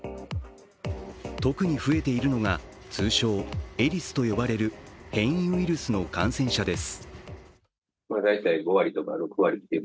特に増えているのが通称エリスと呼ばれる変異ウイルスの感染者です。